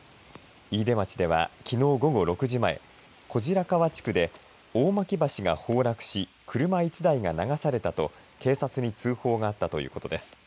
飯豊町ではきのう午後６時前小白川地区で大巻橋が崩落し車１台が流されたと警察に通報があったということです。